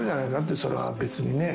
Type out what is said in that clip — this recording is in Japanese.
それは別にね。